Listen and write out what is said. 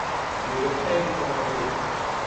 তিনি ব্যবসায়ের দিকে মনোনিবেশ ঘটান।